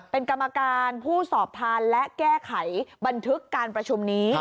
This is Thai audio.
เป็นกรรมการผู้สอบทานและแก้ไขบันทึกการประชุมนี้